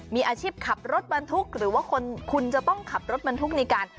มีอาชีพขับรถบรรทุกหรือว่าคุณจะต้องขับรถบรรทุกในการ